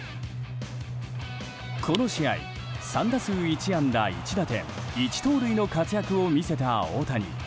この試合３打数１安打１打点１盗塁の活躍を見せた大谷。